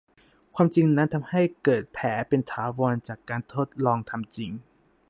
ความจริงนั้นทำให้เกิดแผลเป็นถาวรจากการทดลองทำจริง